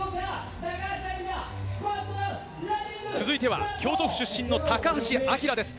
続いては京都府出身の高橋彬です。